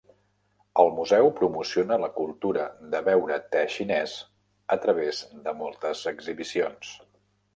El museu promociona la cultura de beure té xinès a través de moltes exhibicions.